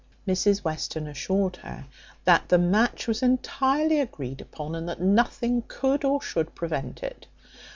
Mrs Western assured her, "That the match was entirely agreed upon, and that nothing could or should prevent it.